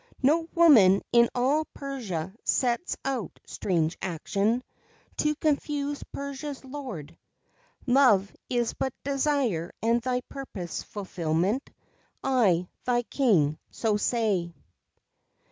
No woman in all Persia sets out strange action To confuse Persia's lord Love is but desire and thy purpose fulfillment; I, thy King, so say!